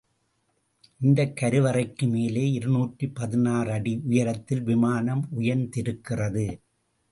இந்தக் கருவறைக்கு மேலே இருநூற்று பதினாறு அடி உயரத்தில் விமானம் உயர்ந்திருக்கிறது.